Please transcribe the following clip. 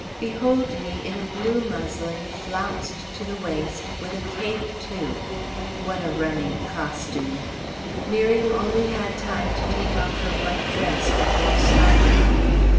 Behold me in a blue muslin flounced to the waist, with a cape, too! What a running costume! Miriam only had time to take off her white dress before starting.